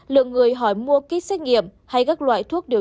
lượng người hỏi mua kích xét nghiệm hay các loại thuốc tây